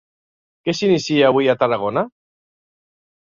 Què s'inicia avui a Tarragona?